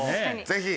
ぜひ。